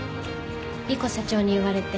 莉湖社長に言われて。